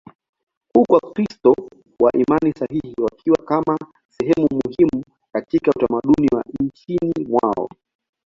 huku Wakristo wa imani sahihi wakiwa kama sehemu muhimu katika utamaduni wa nchini mwao.